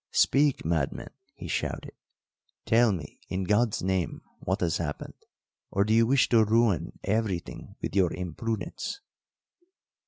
"Speak, madmen!" he shouted; "tell me, in God's name, what has happened or do you wish to ruin everything with your imprudence?"